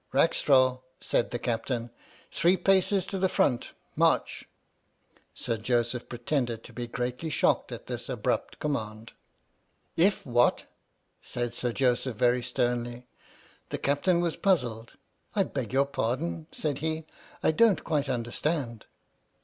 "Rackstraw," said the Captain, "three paces to the front, march !" Sir Joseph pretended to be greatly shocked at this abrupt command. "If what?" said Sir Joseph very sternly. The Captain was puzzled. "I beg your pardon," said he, "I don't quite understand.